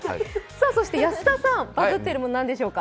そして安田さん、バズっているもの何でしょうか？